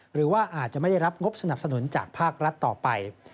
หรือว่าอาจจะไม่ได้รับงบสนับสนุนจากภาครัฐต่อไป